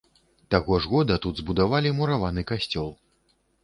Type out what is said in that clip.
Таго ж года тут збудавалі мураваны касцёл.